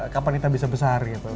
kapan kita bisa besar gitu